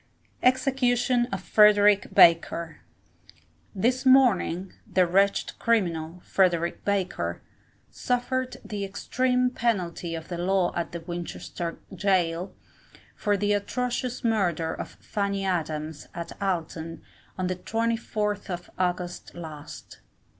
EXECUTION OF FREDERICK BAKER. This morning, the wretched criminal, Frederick Baker, suffered the extreme penalty of the law at Winchester Gaol, for the atrocious murder of Fanny Adams, at Alton, on the 24th of August last.